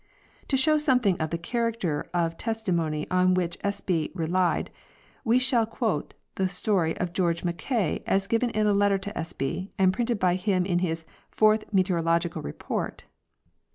To show something of the character of testimony on which Espy relied we shall quote the story of George Mackay as given in a letter to Espy and printed by him in his * Fourth Meteorological Report" (pages 32 34).